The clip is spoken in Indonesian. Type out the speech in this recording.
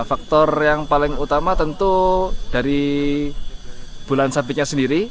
faktor yang paling utama tentu dari bulan sabitnya sendiri